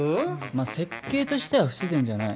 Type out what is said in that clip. まあ設計としては不自然じゃない。